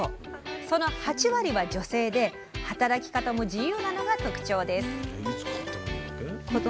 その８割は女性で働き方も自由なのが特徴です